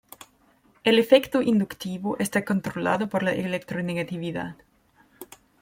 El efecto inductivo está controlado por la electronegatividad.